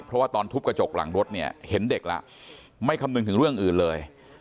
เพราะว่าตอนทุบกระจกหลังรถเนี่ยเห็นเด็กแล้วไม่คำนึงถึงเรื่องอื่นเลย